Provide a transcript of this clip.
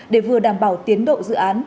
để vừa đảm bảo tiến độ dự án